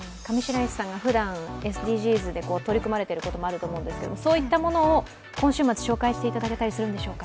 ふだんＳＤＧｓで取り組まれていることもあると思うんですが、そういったものを今週末、紹介していただいたりできるんでしょうか。